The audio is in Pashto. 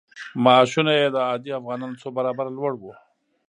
معاشونه یې د عادي افغانانو څو برابره لوړ وو.